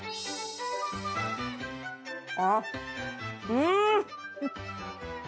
あっうーん！